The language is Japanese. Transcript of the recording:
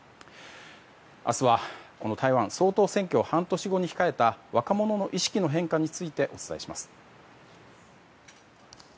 明日は、この台湾総統選挙を半年後に控えた若者の意識の変化についてお伝えします。